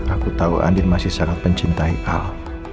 aku tahu andin masih sangat mencintai al